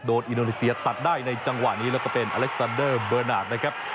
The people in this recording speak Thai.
อินโดนีเซียตัดได้ในจังหวะนี้แล้วก็เป็นอเล็กซานเดอร์เบอร์นาคนะครับ